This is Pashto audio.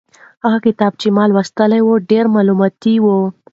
هغه کتاب چې ما لوستلی و ډېر مالوماتي و.